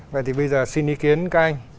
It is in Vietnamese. vậy thì bây giờ xin ý kiến các anh